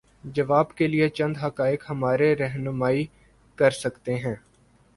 جواب کے لیے چند حقائق ہماری رہنمائی کر سکتے ہیں۔